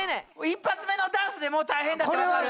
一発目のダンスでもう大変だって分かる！